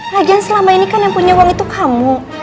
lagian selama ini kan yang punya uang itu kamu